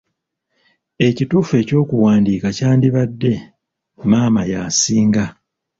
Ekituufu eky'okuwandiika kyandibadde maama y'asinga.